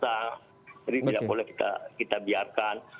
jadi tidak boleh kita biarkan